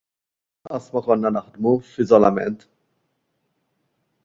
Lanqas ma konna naħdmu f'iżolament.